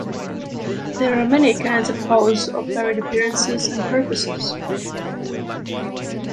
There are many kinds of hoes of varied appearances and purposes.